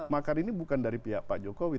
makar ini bukan dari pihak pak jokowi